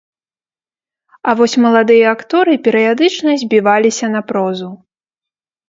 А вось маладыя акторы перыядычна збіваліся на прозу.